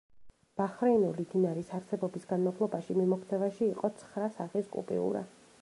ბაჰრეინული დინარის არსებობის განმავლობაში მიმოქცევაში იყო ცხრა სახის კუპიურა.